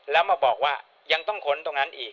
แล้วมาสามารถบอกว่า